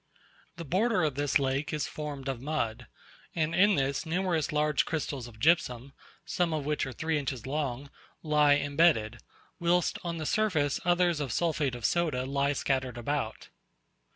The border of this lake is formed of mud: and in this numerous large crystals of gypsum, some of which are three inches long, lie embedded; whilst on the surface others of sulphate of soda lie scattered about.